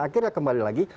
akhirnya kembali lagi